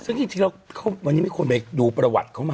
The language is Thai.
ซึ่งจริงวันนี้ไม่ควรไปดูประวัติเขามา